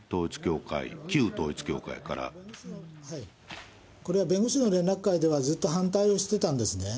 統一教会、これは弁護士の連絡会では、ずっと反対をしてたんですね。